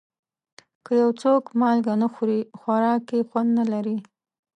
که یو څوک مالګه نه خوري، خوراک یې خوند نه لري.